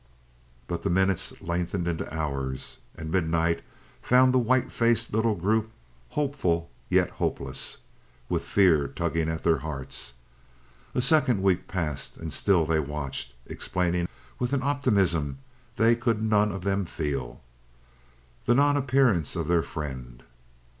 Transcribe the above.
But the minutes lengthened into hours, and midnight found the white faced little group, hopeful yet hopeless, with fear tugging at their hearts. A second week passed, and still they watched, explaining with an optimism they could none of them feel, the non appearance of their friend.